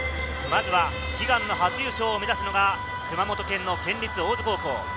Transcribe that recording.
まずは悲願の初優勝を目指すのが熊本県の県立大津高校。